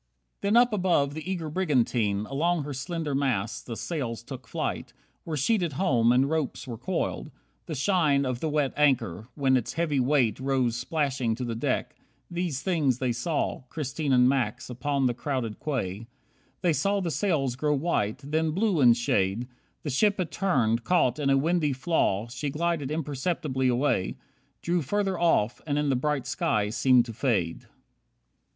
25 Then up above the eager brigantine, Along her slender masts, the sails took flight, Were sheeted home, and ropes were coiled. The shine Of the wet anchor, when its heavy weight Rose splashing to the deck. These things they saw, Christine and Max, upon the crowded quay. They saw the sails grow white, then blue in shade, The ship had turned, caught in a windy flaw She glided imperceptibly away, Drew farther off and in the bright sky seemed to fade.